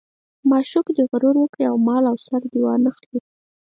معشوق دې غرور وکړي او مال او سر مې وانه خلي.